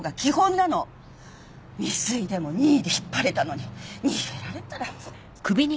未遂でも任意で引っ張れたのに逃げられたら。